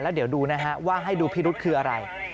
เดี๋ยวดูนะฮะว่าให้ดูพิรุษคืออะไร